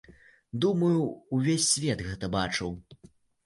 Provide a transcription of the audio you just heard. Думаю, увесь свет гэта бачыў.